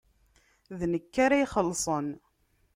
D nekk ara ixelṣen.